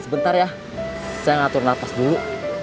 sebentar ya saya ngatur nafas dulu